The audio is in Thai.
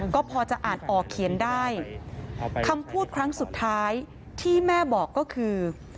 ก็พอจะอ่านออกเขียนได้คำพูดครั้งสุดท้ายที่แม่บอกก็คือ